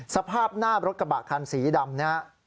สภาพหน้ารถกระบะคันสีดำนะครับ